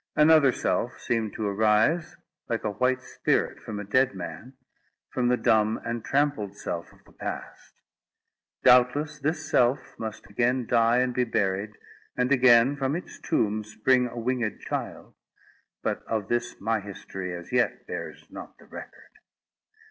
Another self seemed to arise, like a white spirit from a dead man, from the dumb and trampled self of the past. Doubtless, this self must again die and be buried, and again, from its tomb, spring a winged child; but of this my history as yet bears not the record.